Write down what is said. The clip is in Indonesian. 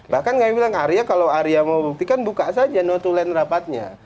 bahkan kami bilang arya kalau arya mau buktikan buka saja no to land rapatnya